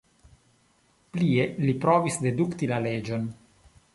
Plie li provis dedukti la leĝon.